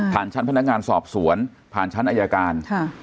ชั้นพนักงานสอบสวนผ่านชั้นอายการ